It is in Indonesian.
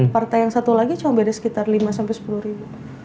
partai yang satu lagi cuma beda sekitar lima sampai sepuluh ribu